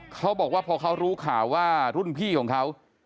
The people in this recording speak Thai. เขาบอกว่าพอเขารู้ข่าวว่ารุ่นพี่ของเขา